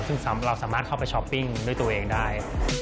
ซึ่งเราสามารถเข้าไปช้อปปิ้งด้วยตัวเองได้